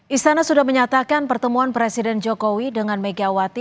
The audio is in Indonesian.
istana sudah menyatakan pertemuan presiden jokowi dengan megawati